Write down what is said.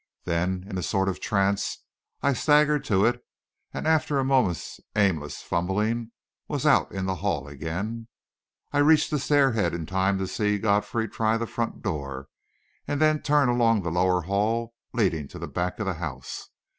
Then, in a sort of trance, I staggered to it, and after a moment's aimless fumbling, was out in the hall again. I reached the stairhead in time to see Godfrey try the front door, and then turn along the lower hall leading to the back of the house.